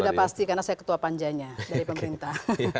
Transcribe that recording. sudah pasti karena saya ketua panjanya dari pemerintah